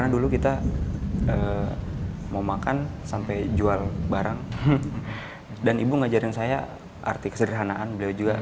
dulu kita mau makan sampai jual barang dan ibu ngajarin saya arti kesederhanaan beliau juga